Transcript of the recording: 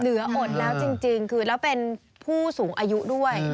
เหลืออดแล้วจริงคือแล้วเป็นผู้สูงอายุด้วย